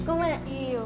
いいよ。